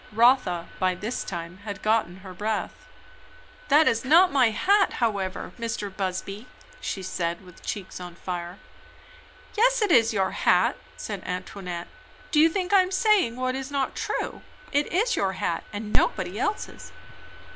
Rotha by this time had got her breath. "That is not my hat however, Mr. Busby," she said, with cheeks on fire. "Yes, it is your hat," said Antoinette. "Do you think I am saying what is not true? It is your hat, and nobody else's."